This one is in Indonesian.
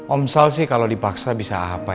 om sal sih kalau dipaksa bisa apa ya